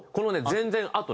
全然あと。